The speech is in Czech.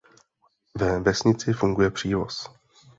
Ve vesnici funguje přívoz.